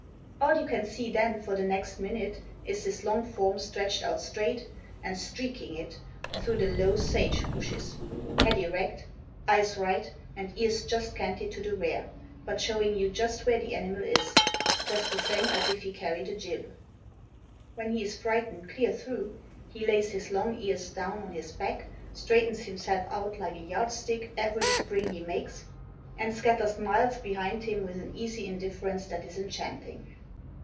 All you can see then, for the next minute, is his long form stretched out straight, and 'streaking it' through the low sage bushes, head erect, eyes right, and ears just canted to the rear, but showing you just where the animal is, just the same as if he carried a jib. When he is frightened clear through, he lays his long ears down on his back, straightens himself out like a yardstick every spring he makes, and scatters miles behind him with an easy indifference that is enchanting.